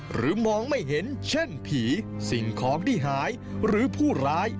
หรือมองไม่เห็นเช่นผีสิ่งของที่หายหรือผู้ร้าย